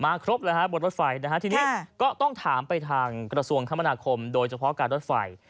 ครบเลยฮะบนรถไฟนะฮะทีนี้ก็ต้องถามไปทางกระทรวงคมนาคมโดยเฉพาะการรถไฟ